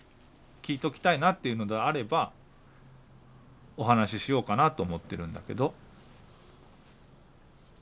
「聞いときたいな」っていうのであればお話ししようかなと思ってるんだけど。